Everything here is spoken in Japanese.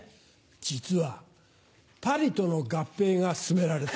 実はパリとの合併が進められてる。